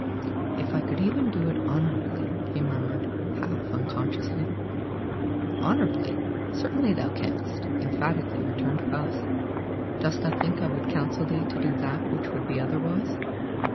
"If I could even do it honorably," he murmured half unconsciously. "Honorably! certainly thou canst," emphatically returned Faust. "Dost thou think I would counsel thee to do that which would be otherwise?